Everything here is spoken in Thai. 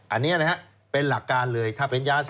อันนี้เป็นหลักการเลยถ้าเป็นยาเศษติด